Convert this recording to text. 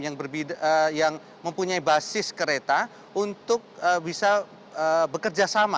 yang mempunyai basis kereta untuk bisa bekerjasama